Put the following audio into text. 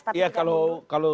tapi tidak mundur